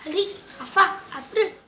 adik rafa abdul